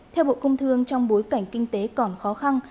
theo bộ công thương trong bối cảnh kinh tế còn khó khăn